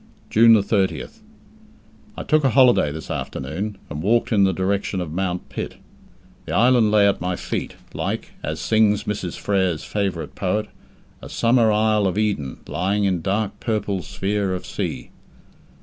June 30th. I took a holiday this afternoon, and walked in the direction of Mount Pitt. The island lay at my feet like as sings Mrs. Frere's favourite poet "a summer isle of Eden lying in dark purple sphere of sea".